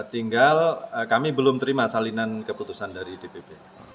tinggal kami belum terima salinan keputusan dari dpp